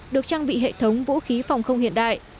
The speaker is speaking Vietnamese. được trang bị hệ thống vũ khí phòng không hiện đại